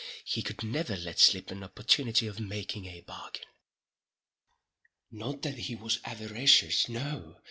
He could never let slip an opportunity of making a bargain. {*1} MD Not that he was avaricious—no.